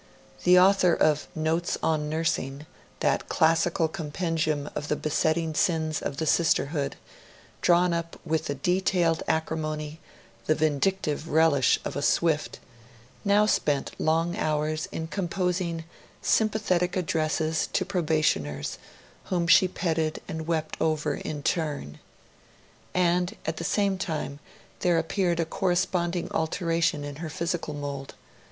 The author of "Notes on Nursing" that classical compendium of the besetting sins of the sisterhood, drawn up with the detailed acrimony, the vindictive relish, of a Swift now spent long hours in composing sympathetic Addresses to Probationers, whom she petted and wept over in turn. And, at the same time, there appeared a corresponding alteration in her physical mood.